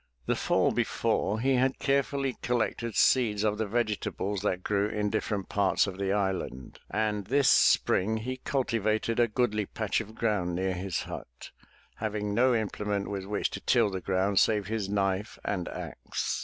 The fall before he had carefully collected seeds of the vegetables that grew in different parts of the island, and this spring he cul tivated a goodly patch of ground near his hut, having no imple ment with which to till the ground save his knife and axe.